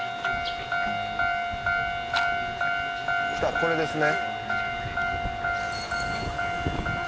来たこれですね。